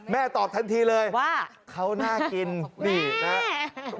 แม่ตอบทันทีเลยเขาน่ากินดีนะ